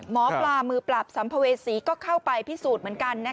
หมอปลามือปราบสัมภเวษีก็เข้าไปพิสูจน์เหมือนกัน